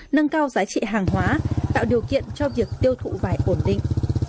nâng cao giá trị hàng hóa tạo điều kiện cho việc tiêu thụ vải ổn định